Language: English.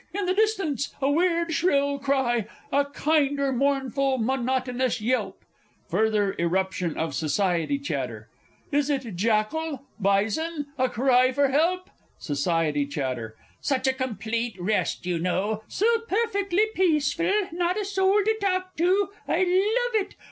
in the distance a weird shrill cry, a kinder mournful, monotonous yelp (Further irruption of SOCIETY CHATTER) ... is it jackal? bison? a cry for help. SOC. CHAT. Such a complete rest, you know so perfectly peaceful! Not a soul to talk to. I love it